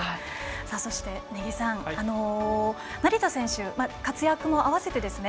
そして、根木さん成田選手活躍もあわせてですね